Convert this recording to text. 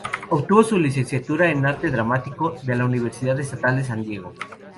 Obtuvo su licenciatura en arte dramático de la Universidad Estatal de San Diego.